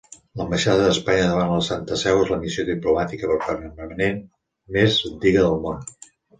L'Ambaixada d'Espanya davant la Santa Seu és la missió diplomàtica permanent més antiga del món.